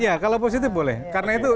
iya kalau positif boleh karena itu